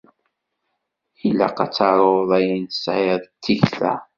Ilaq ad taruḍ ayen tesεiḍ d tikta.